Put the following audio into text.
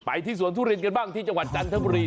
ที่สวนทุเรียนกันบ้างที่จังหวัดจันทบุรี